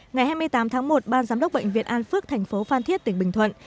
ngày hai mươi tám tháng một ban giám đốc bệnh viện an phước tp phan thiết tỉnh bình thuận